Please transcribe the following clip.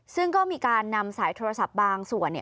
ซึ่งก็มีการนำสายโทรศัพท์บางส่วน